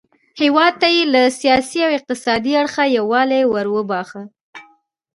هیواد ته یې له سیاسي او اقتصادي اړخه یووالی وروباښه.